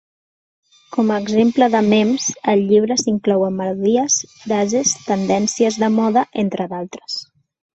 Com a exemples de mems, al llibre s'inclouen melodies, frases, tendències de moda, entre d'altres.